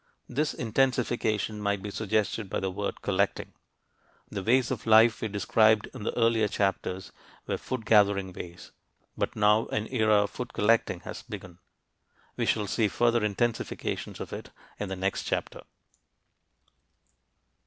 This intensification might be suggested by the word "collecting." The ways of life we described in the earlier chapters were "food gathering" ways, but now an era of "food collecting" has begun. We shall see further intensifications of it in the next chapter.